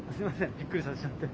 びっくりさせちゃって。